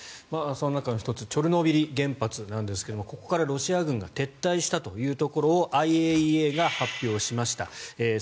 その中の１つチョルノービリ原発ですがここからロシア軍が撤退したというところをＩＡＥＡが発表しました。